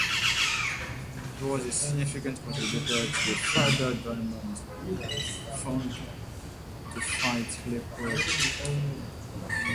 He was a significant contributor to the Father Damien fund to fight leprosy.